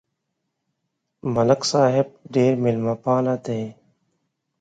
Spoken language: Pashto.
ملک صاحب ډېر مېلمهپاله دی.